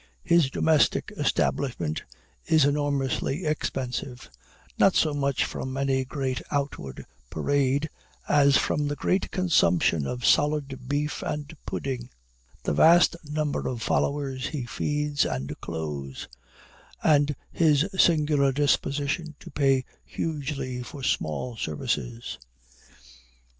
His domestic establishment is enormously expensive: not so much from any great outward parade, as from the great consumption of solid beef and pudding; the vast number of followers he feeds and clothes; and his singular disposition to pay hugely for small services.